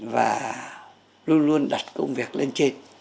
và luôn luôn đặt công việc lên trên